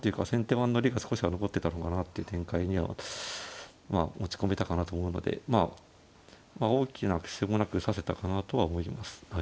番の利が少しは残ってたのかなっていう展開には持ち込めたかなと思うのでまあ大きな苦心もなく指せたかなとは思います。